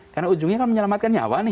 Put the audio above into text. karena ujungnya kan menyelamatkan nyawa nih